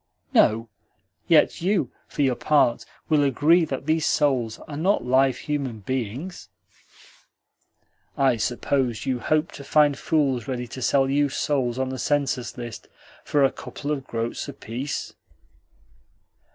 "No; yet you, for your part, will agree that these souls are not live human beings?" "I suppose you hope to find fools ready to sell you souls on the census list for a couple of groats apiece?"